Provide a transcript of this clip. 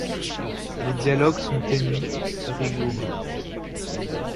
Les dialogues sont ténus, rigoureux.